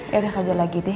ya udah kerja lagi deh